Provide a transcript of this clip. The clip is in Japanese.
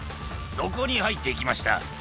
そこに入って行きました。